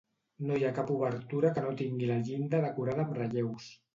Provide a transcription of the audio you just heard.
No hi ha cap obertura que no tingui la llinda decorada amb relleus.